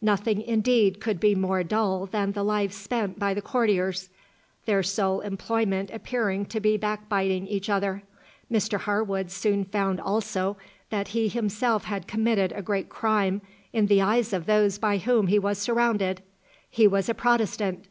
Nothing indeed could be more dull than the life spent by the courtiers, their sole employment appearing to be backbiting each other. Mr Harwood soon found also that he himself had committed a great crime in the eyes of those by whom he was surrounded. He was a Protestant.